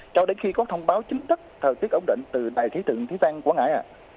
cho đến khi có thông báo chính thức thời tiết ổn định từ đại thí tượng thế giang quảng ngãi